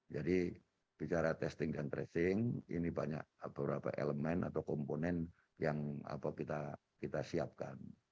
jadi bicara testing dan tracing ini banyak beberapa elemen atau komponen yang kita siapkan